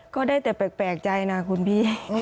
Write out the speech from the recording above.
ก็ได้แต่แปลกใจนะคุณพี่